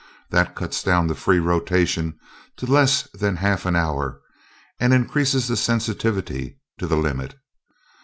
That cuts down the free rotation to less than half an hour, and increases the sensitivity to the limit.